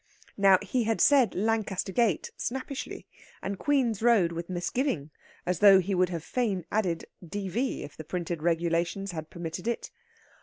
Now, he had said Lancaster Gate snappishly, and Queen's Road with misgiving, as though he would have fain added D.V. if the printed regulations had permitted it.